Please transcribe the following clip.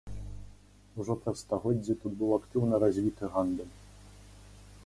Ужо праз стагоддзе тут быў актыўна развіты гандаль.